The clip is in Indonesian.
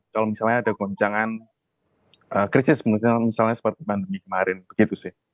kalau misalnya ada goncangan krisis misalnya seperti pandemi kemarin begitu sih